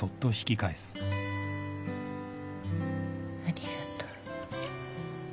ありがとう。